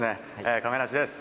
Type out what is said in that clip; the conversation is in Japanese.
亀梨です。